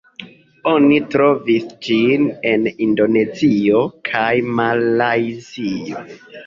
Oni trovis ĝin en Indonezio kaj Malajzio.